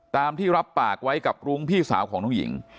ตามที่รับปากไว้กับรุ้งพี่สาวของน้องหญิง